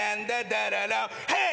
ヘイ！